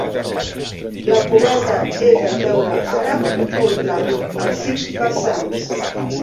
La coberta és de teula àrab molt plana, a cinc vessants.